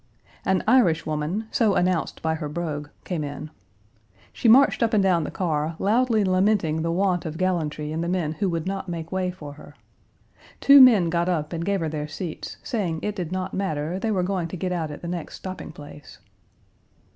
An Irish woman, so announced by her brogue, came Page 256 in. She marched up and down the car, loudly lamenting the want of gallantry in the men who would not make way for her. Two men got up and gave her their seats, saying it did not matter, they were going to get out at the next stopping place.